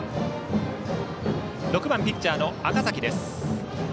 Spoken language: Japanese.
６番ピッチャー、赤嵜です。